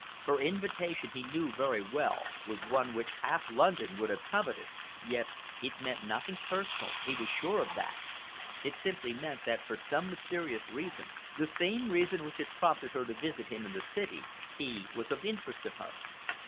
Her invitation, he knew very well, was one which half London would have coveted. Yet it meant nothing personal, he was sure of that. It simply meant that for some mysterious reason, the same reason which had prompted her to visit him in the city he was of interest to her.